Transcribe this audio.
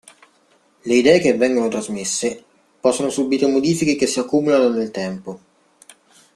Le idee che vengono trasmesse possono subire modifiche che si accumulano nel tempo.